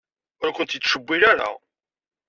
Ur ken-yettcewwil ara.